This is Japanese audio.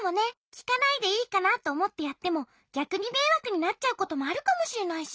きかないでいいかなとおもってやってもぎゃくにめいわくになっちゃうこともあるかもしれないし。